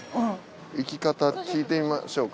行き方聞いてみましょうか。